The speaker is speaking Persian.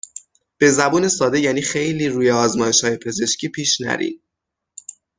به زبون ساده یعنی خیلی روی آزمایشهای پزشکی پیش نرین.